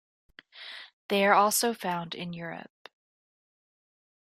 They are also found in Europe.